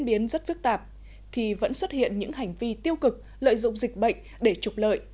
biến rất phức tạp thì vẫn xuất hiện những hành vi tiêu cực lợi dụng dịch bệnh để trục lợi